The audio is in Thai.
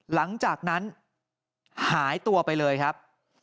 หลังจากนั้นหายตัวไปเลยครับ